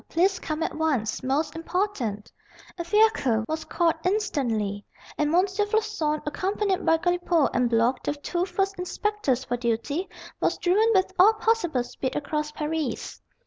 Please come at once. Most important." A fiacre was called instantly, and M. Floçon, accompanied by Galipaud and Block, the two first inspectors for duty, was driven with all possible speed across Paris.